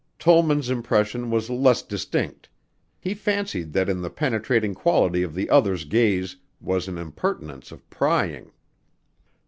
Tollman's impression was less distinct. He fancied that in the penetrating quality of the other's gaze was an impertinence of prying.